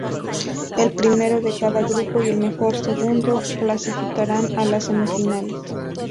El primero de cada grupo y el mejor segundo clasificarán a las semifinales.